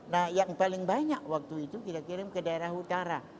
nah yang paling banyak waktu itu kita kirim ke daerah utara